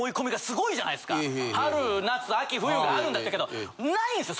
春夏秋冬があるんだって言うけどないんすよ！